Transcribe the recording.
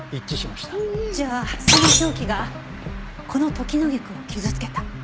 じゃあその凶器がこのトキノギクを傷つけた。